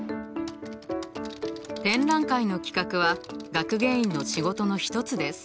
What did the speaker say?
展覧会の企画は学芸員の仕事の一つです。